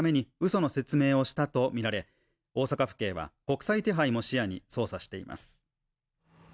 その説明をしたとみられ、大阪府警は、国際手配も視野に捜査しています。